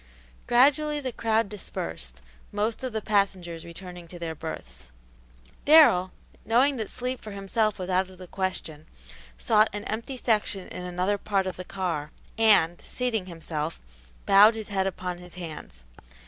Gradually the crowd dispersed, most of the passengers returning to their berths. Darrell, knowing that sleep for himself was out of the question, sought an empty section in another part of the car, and, seating himself, bowed his head upon his hands.